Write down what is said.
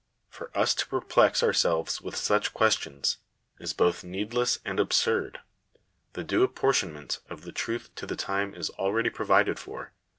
For as to perplex ourselves with such questions, is both needless and absurd. The due apportionment of the truth to the time is already provided for.